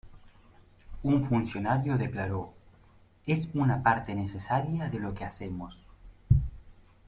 Un funcionario declaró: "Es una parte necesaria de lo que hacemos.